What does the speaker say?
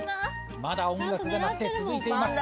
まだ音楽が鳴って続いています